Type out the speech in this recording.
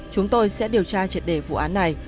chúng tôi sẽ điều tra triệt đề vụ án này